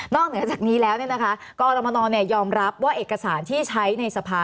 นอกเหนือจากนี้แล้วเนี่ยนะคะกอรมนยอมรับว่าเอกสารที่ใช้ในสภา